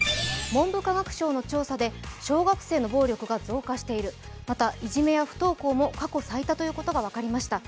文部科学省の調査で、小学生の暴力が増加している、また、いじめや不登校も過去最多ということが分かりました。